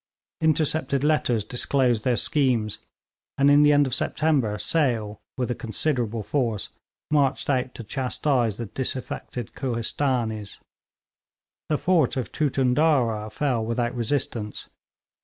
Intercepted letters disclosed their schemes, and in the end of September Sale, with a considerable force, marched out to chastise the disaffected Kohistanees. The fort of Tootundurrah fell without resistance.